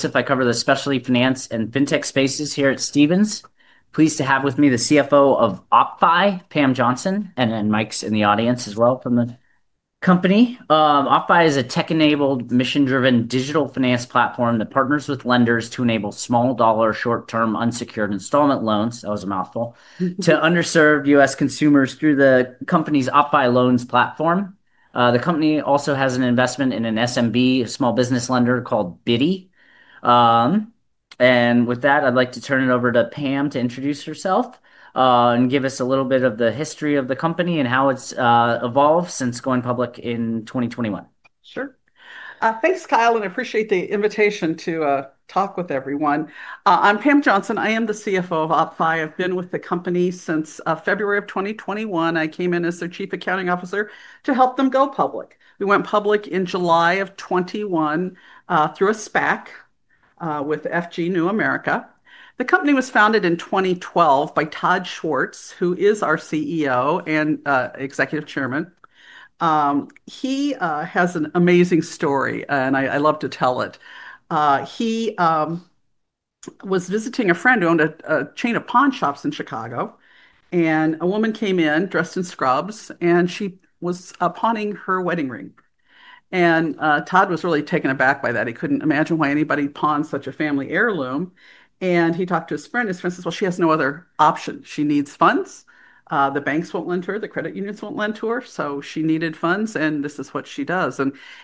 Since I cover the specialty finance and fintech spaces here at Stevens, pleased to have with me the CFO of OppFi, Pam Johnson, and then Mike's in the audience as well from the company. OppFi is a tech-enabled, mission-driven Digital Finance Platform that partners with lenders to enable small-dollar, short-term, unsecured installment loans—that was a mouthful—to underserved U.S. consumers through the company's OppLoans platform. The company also has an investment in an SMB, a Small Business Lender called Bitty. With that, I'd like to turn it over to Pam to introduce herself and give us a little bit of the history of the company and how it's evolved since going public in 2021. Sure. Thanks, Kyle, and I appreciate the invitation to talk with everyone. I'm Pam Johnson. I am the CFO of OppFi. I've been with the company since February of 2021. I came in as their Chief Accounting Officer to help them go public. We went public in July of 2021 through a SPAC with FG New America. The company was founded in 2012 by Todd Schwartz, who is our CEO and executive chairman. He has an amazing story, and I love to tell it. He was visiting a friend who owned a chain of pawn shops in Chicago, and a woman came in dressed in scrubs, and she was pawning her wedding ring. Todd was really taken aback by that. He could not imagine why anybody pawns such a family heirloom. He talked to his friend. His friend says, "She has no other option. She needs funds. The banks won't lend her. The credit unions won't lend to her. She needed funds, and this is what she does.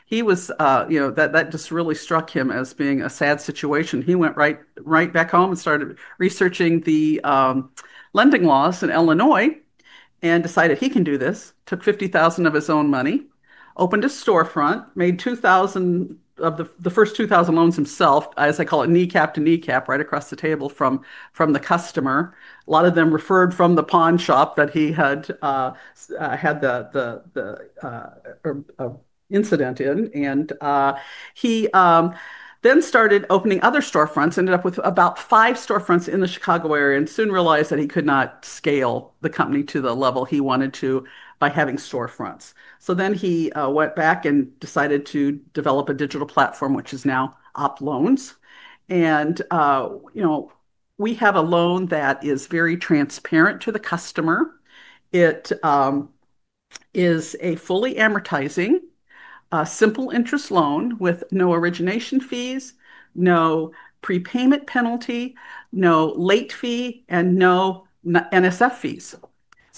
He was—that just really struck him as being a sad situation. He went right back home and started researching the lending laws in Illinois and decided he can do this. Took $50,000 of his own money, opened a storefront, made 2,000 of the first 2,000 loans himself, as I call it, kneecap to kneecap, right across the table from the customer. A lot of them referred from the pawn shop that he had had the incident in. He then started opening other storefronts, ended up with about five storefronts in the Chicago area, and soon realized that he could not scale the company to the level he wanted to by having storefronts. He went back and decided to develop a digital platform, which is now OppLoans. We have a loan that is very transparent to the customer. It is a fully amortizing, Simple Interest Loan with no Origination Fees, no Prepayment Penalty, no Late Fee, and no NSF fees.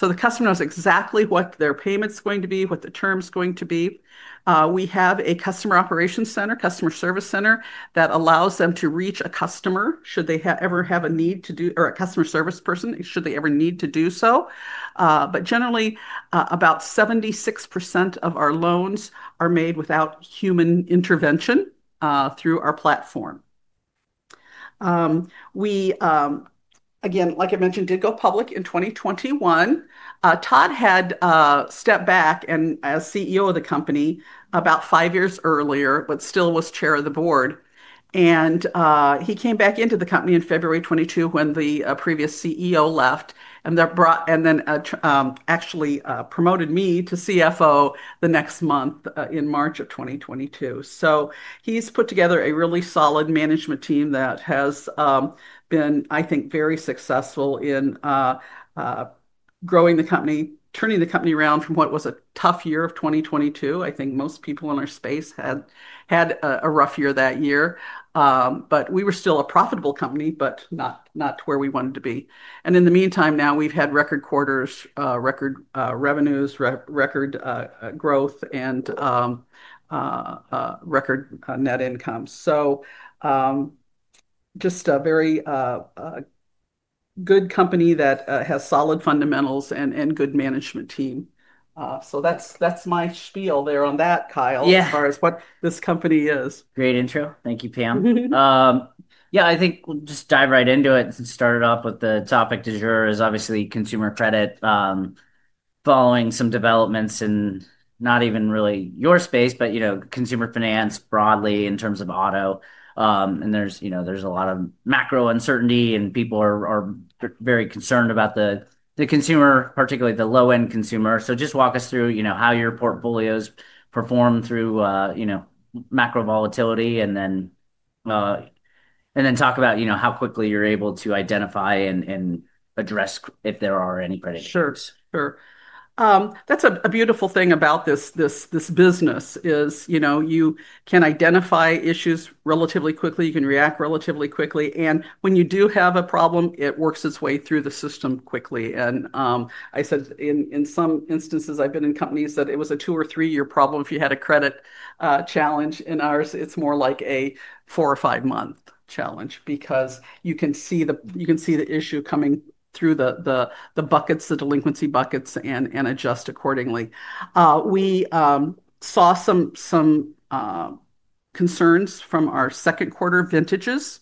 The customer knows exactly what their payment's going to be, what the term's going to be. We have a customer operations center, customer service center, that allows them to reach a customer service person should they ever need to do so. Generally, about 76% of our loans are made without human intervention through our platform. Like I mentioned, we did go public in 2021. Todd had stepped back as CEO of the company about five years earlier, but still was chair of the board. He came back into the company in February 2022 when the previous CEO left, and then actually promoted me to CFO the next month in March of 2022. He has put together a really solid management team that has been, I think, very successful in growing the company, turning the company around from what was a tough year of 2022. I think most people in our space had a rough year that year. We were still a profitable company, but not to where we wanted to be. In the meantime, now we have had record quarters, record revenues, record growth, and record net income. Just a very good company that has solid fundamentals and a good management team. That is my spiel there on that, Kyle, as far as what this company is. Great intro. Thank you, Pam. Yeah, I think we'll just dive right into it and start it off with the topic to sure is obviously consumer credit, following some developments in not even really your space, but consumer finance broadly in terms of auto. There is a lot of macro uncertainty, and people are very concerned about the consumer, particularly the low-end consumer. Just walk us through how your portfolios perform through macro volatility, and then talk about how quickly you're able to identify and address if there are any credit issues. Sure. Sure. That's a beautiful thing about this business is you can identify issues relatively quickly. You can react relatively quickly. When you do have a problem, it works its way through the system quickly. I said in some instances, I've been in companies that it was a two or three year problem if you had a credit challenge. In ours, it's more like a four or five month challenge because you can see the issue coming through the buckets, the delinquency buckets, and adjust accordingly. We saw some concerns from our second quarter vintages.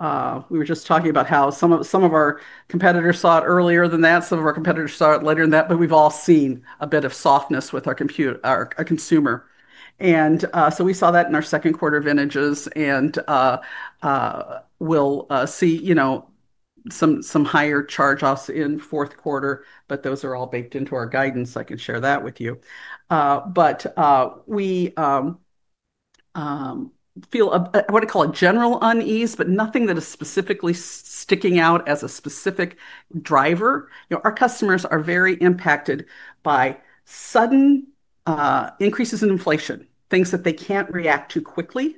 We were just talking about how some of our competitors saw it earlier than that. Some of our competitors saw it later than that, but we've all seen a bit of softness with our consumer. We saw that in our second quarter vintages, and we'll see some higher charge-offs in fourth quarter, but those are all baked into our guidance. I can share that with you. We feel what I call a general unease, but nothing that is specifically sticking out as a specific driver. Our customers are very impacted by sudden increases in inflation, things that they can't react to quickly,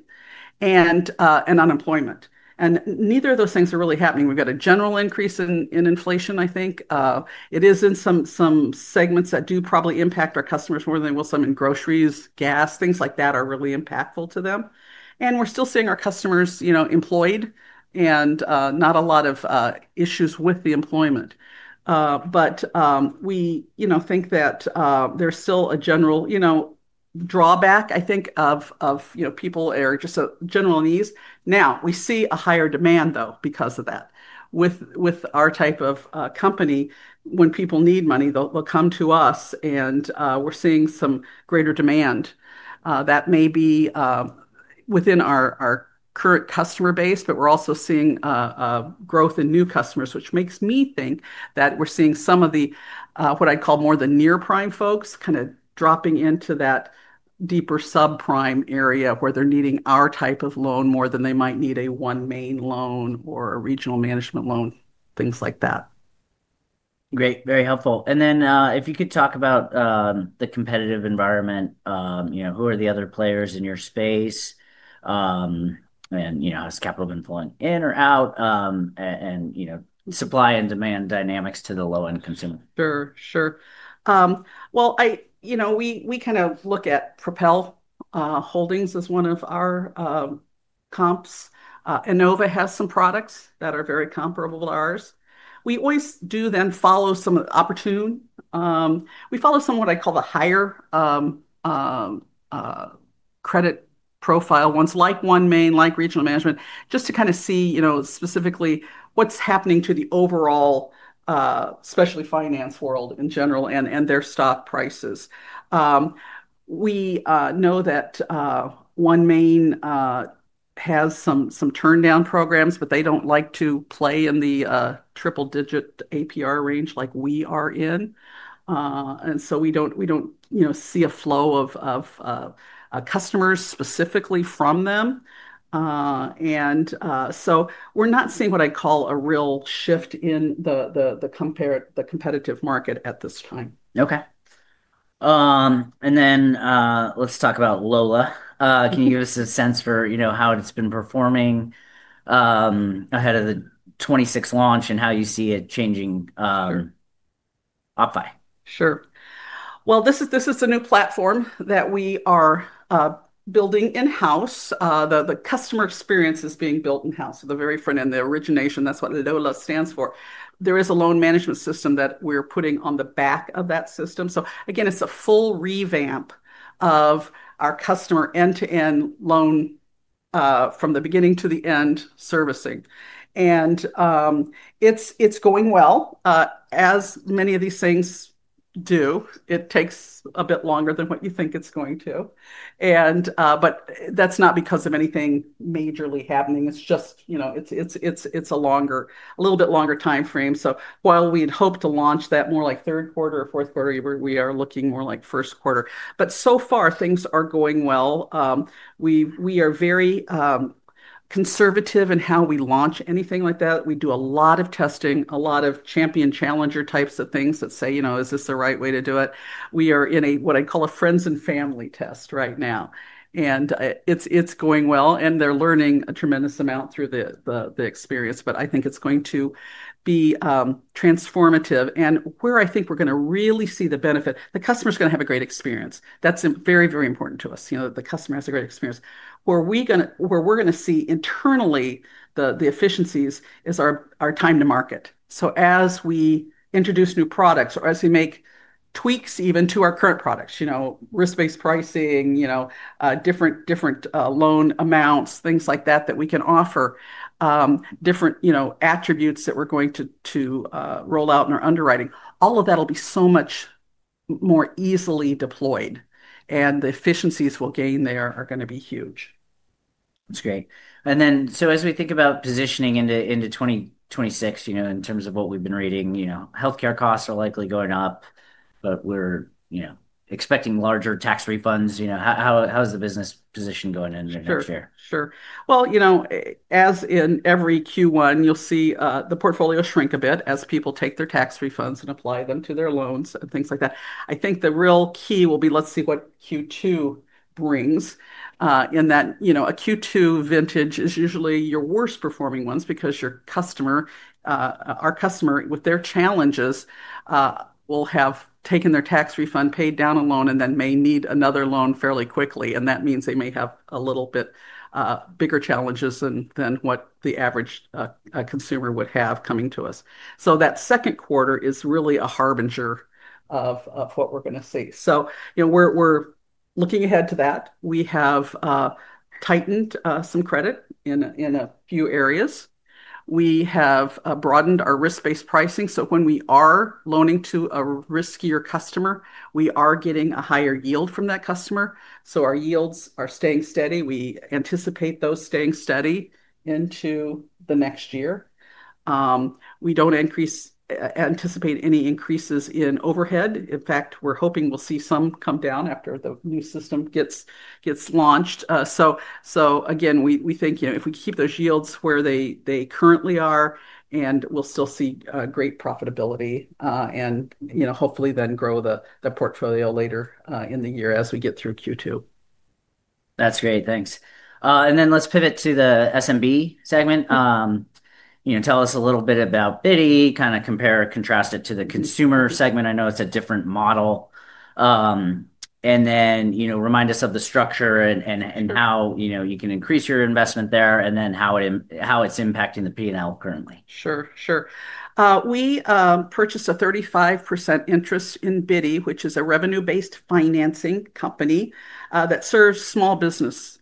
and unemployment. Neither of those things are really happening. We've got a general increase in inflation, I think. It is in some segments that do probably impact our customers more than they will some in groceries, gas. Things like that are really impactful to them. We're still seeing our customers employed and not a lot of issues with the employment. We think that there's still a general drawback, I think, of people or just a general unease. Now, we see a higher demand, though, because of that. With our type of company, when people need money, they'll come to us, and we're seeing some greater demand. That may be within our current customer base, but we're also seeing growth in new customers, which makes me think that we're seeing some of the what I'd call more the near-prime folks kind of dropping into that deeper sub-prime area where they're needing our type of loan more than they might need a OneMain Loan or a Regional Management Loan, things like that. Great. Very helpful. If you could talk about the competitive environment, who are the other players in your space, has capital been flowing in or out, and supply and demand dynamics to the low-end consumer? Sure. Sure. We kind of look at Propel Holdings as one of our comps. Enova has some products that are very comparable to ours. We always do then follow some opportune. We follow some of what I call the higher credit profile ones, like OneMain, like Regional Management, just to kind of see specifically what's happening to the overall specialty finance world in general and their stock prices. We know that OneMain has some turndown programs, but they do not like to play in the triple-digit APR range like we are in. We do not see a flow of customers specifically from them. We are not seeing what I call a real shift in the competitive market at this time. Okay. And then let's talk about LOLA. Can you give us a sense for how it's been performing ahead of the 2026 launch and how you see it changing OppFi? Sure. This is a new platform that we are building in-house. The customer experience is being built in-house. The very front end, the origination, that's what LOLA stands for. There is a Loan Management System that we're putting on the back of that system. Again, it's a full revamp of our customer end-to-end loan from the beginning to the end servicing. It's going well. As many of these things do, it takes a bit longer than what you think it's going to. That's not because of anything majorly happening. It's just a little bit longer time frame. While we'd hope to launch that more like third quarter or fourth quarter, we are looking more like first quarter. So far, things are going well. We are very conservative in how we launch anything like that. We do a lot of testing, a lot of champion challenger types of things that say, "Is this the right way to do it?" We are in what I call a friends and family test right now. It's going well, and they're learning a tremendous amount through the experience. I think it's going to be transformative. Where I think we're going to really see the benefit, the customer's going to have a great experience. That's very, very important to us. The customer has a great experience. Where we're going to see internally the efficiencies is our time to market. As we introduce new products or as we make tweaks even to our current products, risk-based pricing, different loan amounts, things like that that we can offer, different attributes that we're going to roll out in our underwriting, all of that will be so much more easily deployed. The efficiencies we'll gain there are going to be huge. That's great. As we think about positioning into 2026, in terms of what we've been reading, healthcare costs are likely going up, but we're expecting larger tax refunds. How is the business position going in the next year? Sure. Sure. As in every Q1, you'll see the portfolio shrink a bit as people take their tax refunds and apply them to their loans and things like that. I think the real key will be, let's see what Q2 brings. In that a Q2 vintage is usually your worst-performing ones because our customer, with their challenges, will have taken their tax refund, paid down a loan, and then may need another loan fairly quickly. That means they may have a little bit bigger challenges than what the average consumer would have coming to us. That second quarter is really a harbinger of what we're going to see. We are looking ahead to that. We have tightened some credit in a few areas. We have broadened our risk-based pricing. When we are loaning to a riskier customer, we are getting a higher yield from that customer. Our yields are staying steady. We anticipate those staying steady into the next year. We do not anticipate any increases in overhead. In fact, we are hoping we will see some come down after the new system gets launched. Again, we think if we keep those yields where they currently are, we will still see great profitability and hopefully then grow the portfolio later in the year as we get through Q2. That's great. Thanks. Let's pivot to the SMB segment. Tell us a little bit about Bitty, kind of compare and contrast it to the consumer segment. I know it's a different model. Remind us of the structure and how you can increase your investment there and how it's impacting the P&L currently. Sure. Sure. We purchased a 35% interest in Bitty, which is a Revenue-based Financing Company that serves small businesses.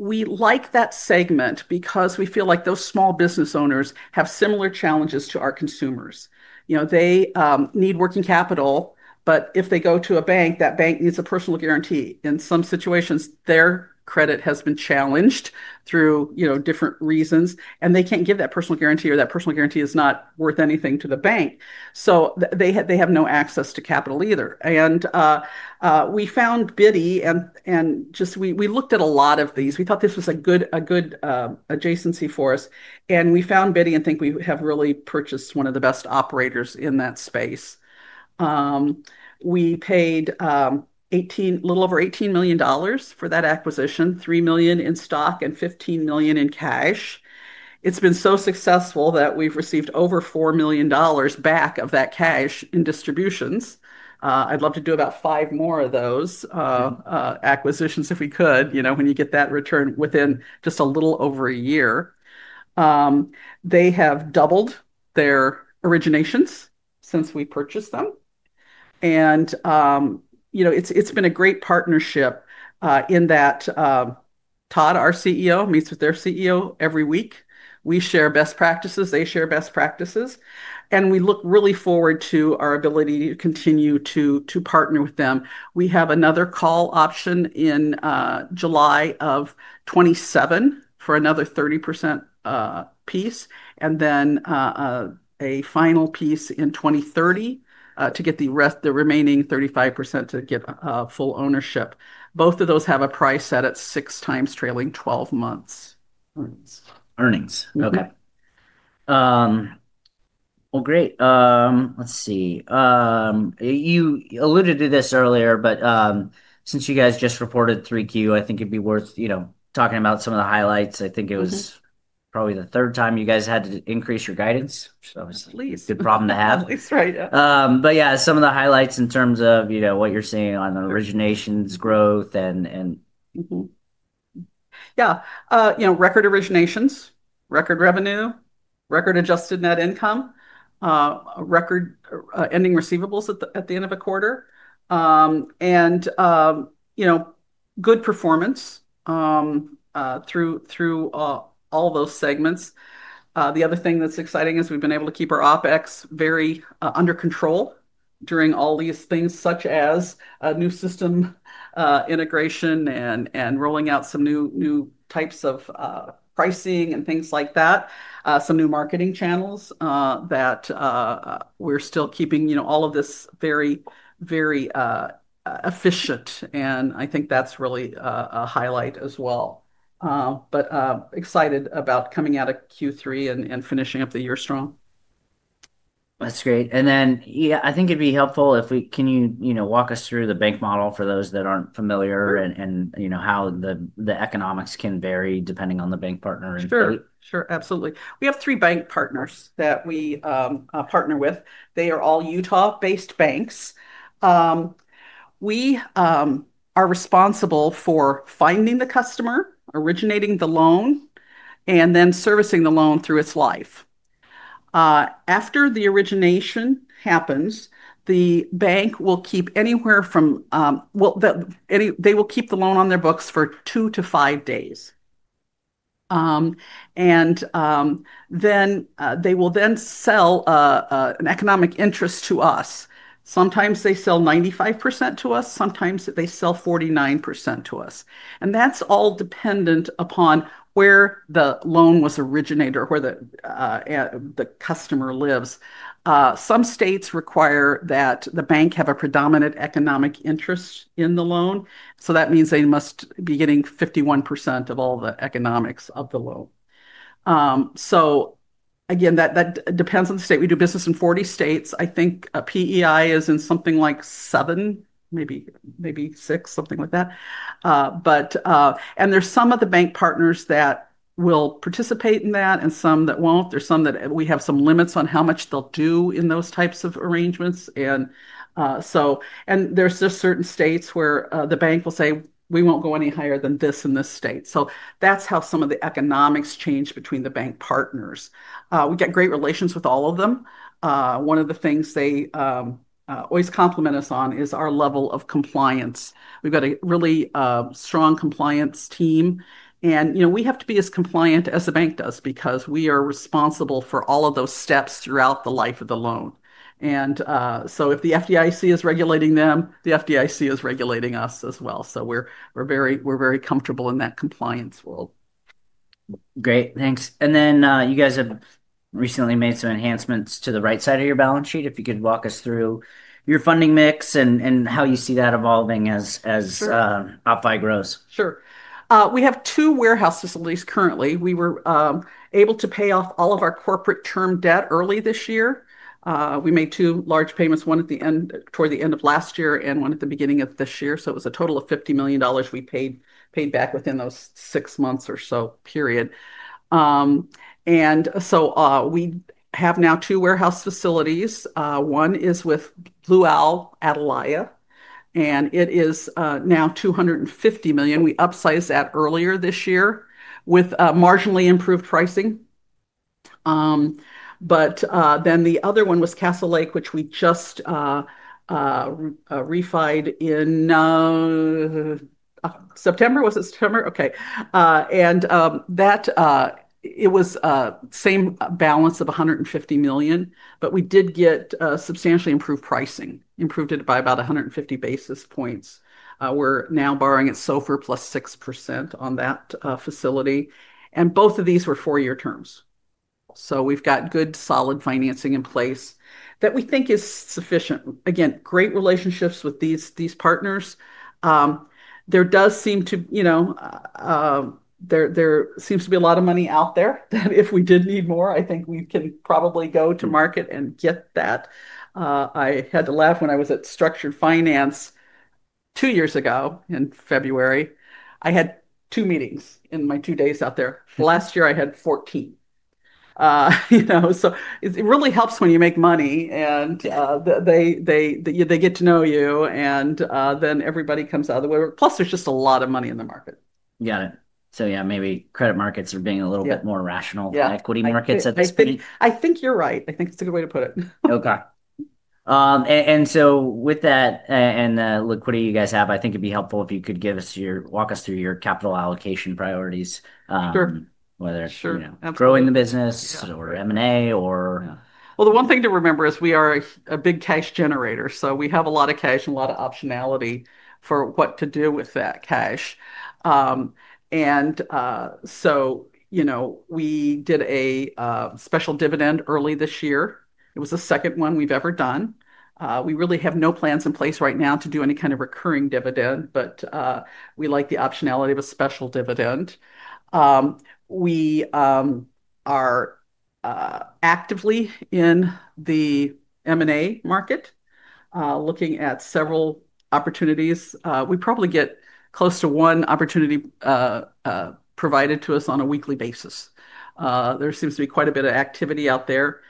We like that segment because we feel like those small business owners have similar challenges to our consumers. They need working capital, but if they go to a bank, that bank needs a personal guarantee. In some situations, their credit has been challenged through different reasons, and they can't give that personal guarantee or that personal guarantee is not worth anything to the bank. They have no access to capital either. We found Bitty, and just we looked at a lot of these. We thought this was a good adjacency for us. We found Bitty and think we have really purchased one of the best operators in that space. We paid a little over $18 million for that acquisition, $3 million in stock and $15 million in cash. It's been so successful that we've received over $4 million back of that cash in distributions. I'd love to do about five more of those acquisitions if we could when you get that return within just a little over a year. They have doubled their originations since we purchased them. It's been a great partnership in that Todd, our CEO, meets with their CEO every week. We share best practices. They share best practices. We look really forward to our ability to continue to partner with them. We have another call option in July of 2027 for another 30% piece, and then a final piece in 2030 to get the remaining 35% to get full ownership. Both of those have a price set at six times trailing 12 months. Earnings. Okay. Great. Let's see. You alluded to this earlier, but since you guys just reported 3Q, I think it'd be worth talking about some of the highlights. I think it was probably the third time you guys had to increase your guidance. It's a good problem to have. At least right now. Yeah, some of the highlights in terms of what you're seeing on originations, growth, and. Yeah. Record originations, record revenue, record Adjusted Net Income, record ending receivables at the end of a quarter, and good performance through all those segments. The other thing that's exciting is we've been able to keep our OpEx very under control during all these things, such as new system integration and rolling out some new types of pricing and things like that, some new marketing channels that we're still keeping all of this very, very efficient. I think that's really a highlight as well. Excited about coming out of Q3 and finishing up the year strong. That's great. I think it'd be helpful if we can you walk us through the bank model for those that aren't familiar and how the economics can vary depending on the bank partner. Sure. Sure. Absolutely. We have three bank partners that we partner with. They are all Utah-based banks. We are responsible for finding the customer, originating the loan, and then servicing the loan through its life. After the origination happens, the bank will keep anywhere from they will keep the loan on their books for two to five days. They will then sell an Economic Interest to us. Sometimes they sell 95% to us. Sometimes they sell 49% to us. That is all dependent upon where the loan was originated or where the customer lives. Some states require that the bank have a Predominant Economic Interest in the loan. That means they must be getting 51% of all the economics of the loan. That depends on the state. We do business in 40 states. I think PEI is in something like seven, maybe six, something like that. There are some of the bank partners that will participate in that and some that will not. There are some that we have some limits on how much they will do in those types of arrangements. There are just certain states where the bank will say, "We will not go any higher than this in this state." That is how some of the economics change between the bank partners. We get great relations with all of them. One of the things they always compliment us on is our level of compliance. We have got a really strong compliance team. We have to be as compliant as the bank does because we are responsible for all of those steps throughout the life of the loan. If the FDIC is regulating them, the FDIC is regulating us as well. We're very comfortable in that compliance world. Great. Thanks. You guys have recently made some enhancements to the right side of your balance sheet. If you could walk us through your funding mix and how you see that evolving as OppFi grows. Sure. We have two warehouses at least currently. We were able to pay off all of our corporate term debt early this year. We made two large payments, one toward the end of last year and one at the beginning of this year. It was a total of $50 million we paid back within those six months or so period. We have now two warehouse facilities. One is with Blue Owl Atalaya. It is now $250 million. We upsized that earlier this year with marginally improved pricing. The other one was Castle Lake, which we just refied in September. Was it September? Okay. It was the same balance of $150 million, but we did get substantially improved pricing, improved it by about 150 basis points. We are now borrowing at SOFR plus 6% on that facility. Both of these were four-year terms. We've got good solid financing in place that we think is sufficient. Again, great relationships with these partners. There seems to be a lot of money out there that if we did need more, I think we can probably go to market and get that. I had to laugh when I was at Structured Finance two years ago in February. I had two meetings in my two days out there. Last year, I had 14. It really helps when you make money and they get to know you and then everybody comes out of the way. Plus, there's just a lot of money in the market. Got it. Yeah, maybe Credit Markets are being a little bit more rational than Equity Markets at this point. I think you're right. I think it's a good way to put it. Okay. With that and the liquidity you guys have, I think it'd be helpful if you could walk us through your capital allocation priorities, whether it's growing the business or M&A. The one thing to remember is we are a big cash generator. We have a lot of cash and a lot of optionality for what to do with that cash. We did a Special Dividend early this year. It was the second one we've ever done. We really have no plans in place right now to do any kind of Recurring Dividend, but we like the optionality of a Special Dividend. We are actively in the M&A market, looking at several opportunities. We probably get close to one opportunity provided to us on a weekly basis. There seems to be quite a bit of activity out there.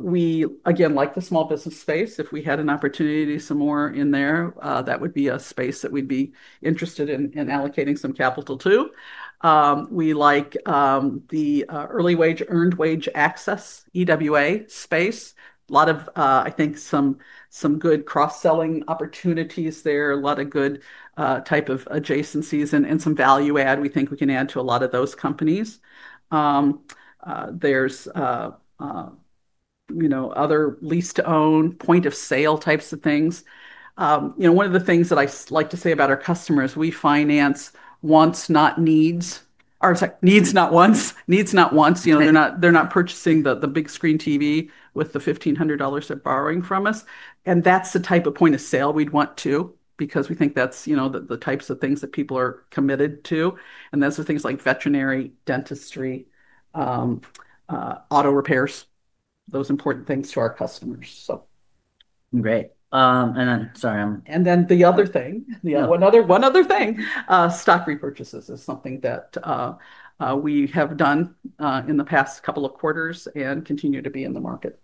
We, again, like the small business space. If we had an opportunity to do some more in there, that would be a space that we'd be interested in allocating some capital to. We like the Early Wage, Earned Wage access, EWA space. I think some good cross-selling opportunities there, a lot of good type of adjacencies and some value add we think we can add to a lot of those companies. There's other lease-to-own, point-of-sale types of things. One of the things that I like to say about our customers, we finance wants, not needs. Needs, not wants. Needs, not wants. They're not purchasing the big screen TV with the $1,500 they're borrowing from us. That's the type of point of sale we'd want to because we think that's the types of things that people are committed to. Those are things like veterinary dentistry, auto repairs, those important things to our customers. Great. Sorry. One other thing, Stock Repurchases is something that we have done in the past couple of quarters and continue to be in the market.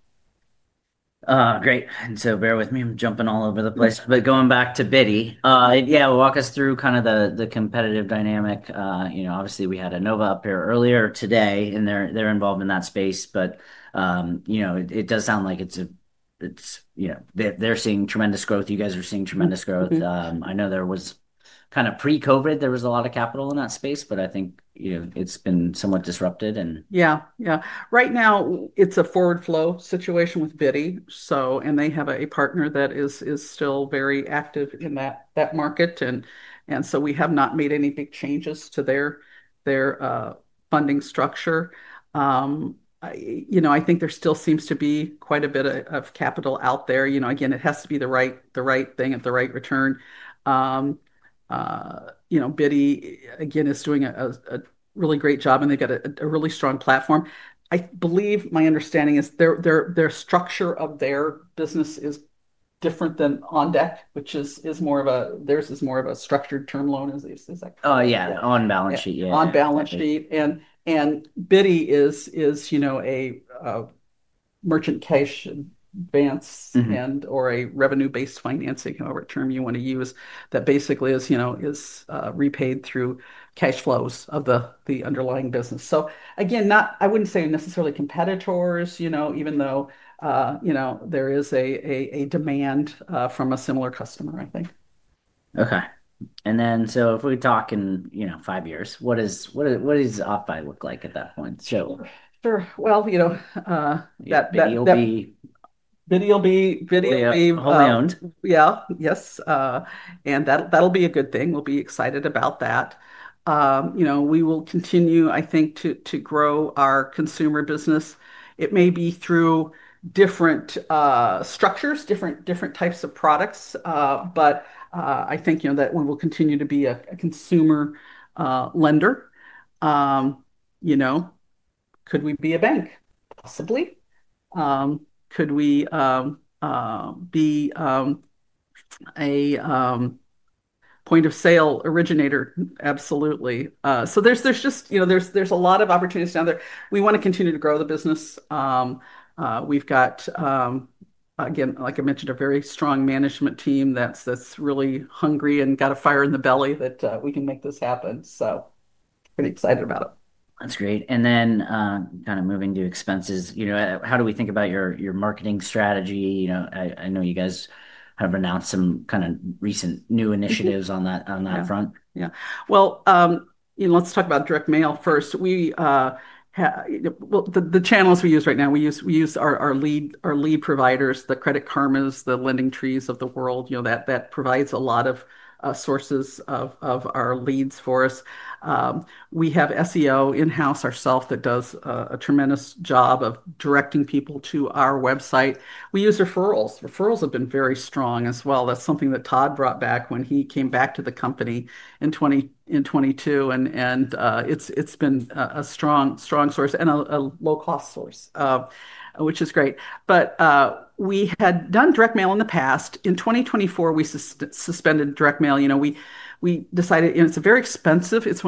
Great. Bear with me. I'm jumping all over the place. Going back to Bitty, yeah, walk us through kind of the competitive dynamic. Obviously, we had Enova up here earlier today, and they're involved in that space. It does sound like they're seeing tremendous growth. You guys are seeing tremendous growth. I know there was kind of pre-COVID, there was a lot of capital in that space, but I think it's been somewhat disrupted. Yeah. Yeah. Right now, it's a forward flow situation with Bitty. They have a partner that is still very active in that market. We have not made any big changes to their funding structure. I think there still seems to be quite a bit of capital out there. Again, it has to be the right thing at the right return. Bitty, again, is doing a really great job, and they've got a really strong platform. I believe my understanding is their structure of their business is different than OnDeck, which is more of a structured term loan, as they say. Oh, yeah. On balance sheet, yeah. On balance sheet. Bitty is a merchant cash advance and/or a Revenue-Based Financing, however term you want to use, that basically is repaid through cash flows of the underlying business. I would not say necessarily competitors, even though there is a demand from a similar customer, I think. Okay. If we talk in five years, what does OppFi look like at that point? Sure. You know. Bitty will be. Bitty will be. Bitty will be home-owned. Yes. And that'll be a good thing. We'll be excited about that. We will continue, I think, to grow our consumer business. It may be through different structures, different types of products, but I think that we will continue to be a consumer lender. Could we be a bank? Possibly. Could we be a point-of-sale originator? Absolutely. There are just a lot of opportunities down there. We want to continue to grow the business. We've got, again, like I mentioned, a very strong management team that's really hungry and got a fire in the belly that we can make this happen. Pretty excited about it. That's great. Kind of moving to expenses, how do we think about your marketing strategy? I know you guys have announced some kind of recent new initiatives on that front. Yeah. Let's talk about direct mail first. The channels we use right now, we use our lead providers, the Credit Karmas, the LendingTrees of the world. That provides a lot of sources of our leads for us. We have SEO in-house ourself that does a tremendous job of directing people to our website. We use referrals. Referrals have been very strong as well. That is something that Todd brought back when he came back to the company in 2022. It has been a strong source and a low-cost source, which is great. We had done direct mail in the past. In 2024, we suspended direct mail. We decided it is very expensive. It is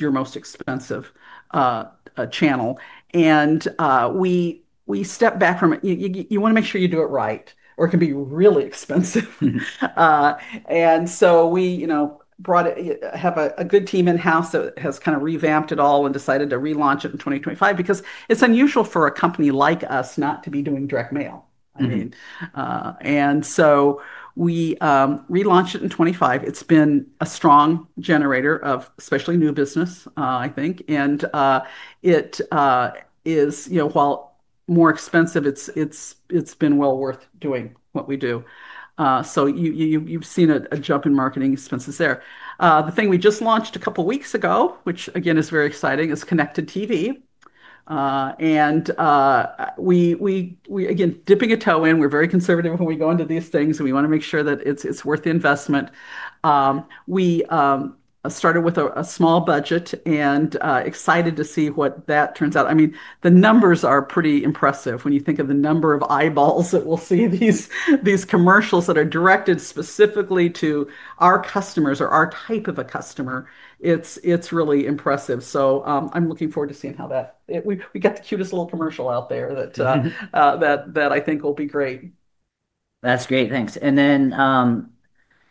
your most expensive channel. We stepped back from it. You want to make sure you do it right, or it can be really expensive. We have a good team in-house that has kind of revamped it all and decided to relaunch it in 2025 because it's unusual for a company like us not to be doing direct mail. I mean, we relaunched it in 2025. It's been a strong generator of especially new business, I think. While more expensive, it's been well worth doing what we do. You've seen a jump in marketing expenses there. The thing we just launched a couple of weeks ago, which again is very exciting, is Connected TV. Again, dipping a toe in, we're very conservative when we go into these things, and we want to make sure that it's worth the investment. We started with a small budget and excited to see what that turns out. I mean, the numbers are pretty impressive when you think of the number of eyeballs that will see these commercials that are directed specifically to our customers or our type of a customer. It is really impressive. I am looking forward to seeing how that we got the cutest little commercial out there that I think will be great. That's great. Thanks.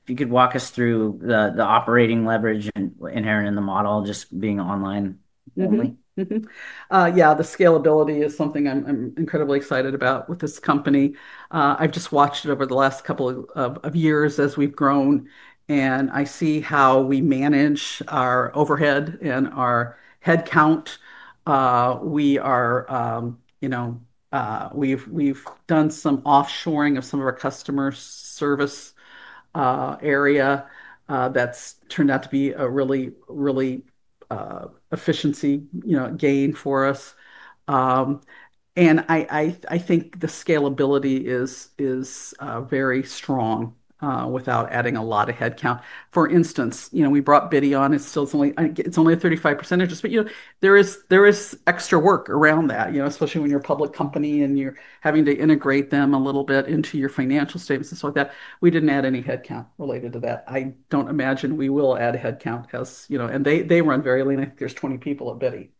If you could walk us through the operating leverage inherent in the model, just being online only. Yeah. The scalability is something I'm incredibly excited about with this company. I've just watched it over the last couple of years as we've grown. I see how we manage our overhead and our head count. We've done some offshoring of some of our customer service area that's turned out to be a really efficiency gain for us. I think the scalability is very strong without adding a lot of head count. For instance, we brought Bitty on. It's only a 35% of it. There is extra work around that, especially when you're a public company and you're having to integrate them a little bit into your financial statements and stuff like that. We didn't add any head count related to that. I don't imagine we will add head count as they run very lean. I think there's 20 people at Bitty.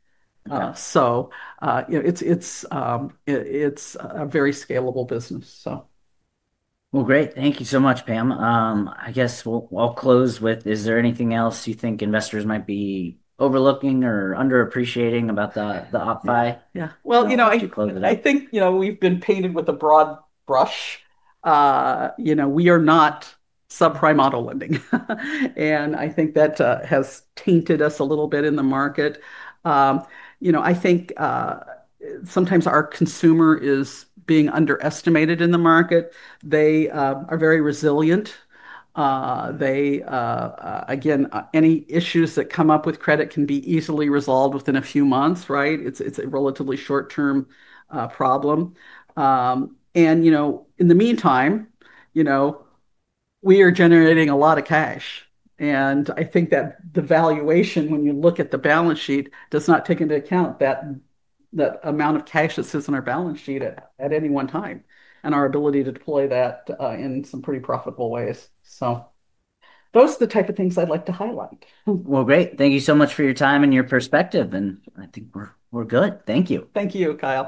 It is a very scalable business. Great. Thank you so much, Pam. I guess we'll close with, is there anything else you think investors might be overlooking or underappreciating about OppFi? Yeah. You know, I think we've been painted with a broad brush. We are not Subprime model lending. I think that has tainted us a little bit in the market. I think sometimes our consumer is being underestimated in the market. They are very resilient. Again, any issues that come up with credit can be easily resolved within a few months, right? It's a relatively short-term problem. In the meantime, we are generating a lot of cash. I think that the valuation, when you look at the balance sheet, does not take into account that amount of cash that sits on our balance sheet at any one time and our ability to deploy that in some pretty profitable ways. Those are the type of things I'd like to highlight. Great. Thank you so much for your time and your perspective. I think we're good. Thank you. Thank you, Kyle.